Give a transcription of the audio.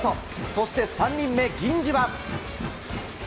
そして３人目、銀次は。